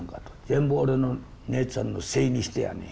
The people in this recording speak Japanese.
全部俺の姉ちゃんのせいにしてやね。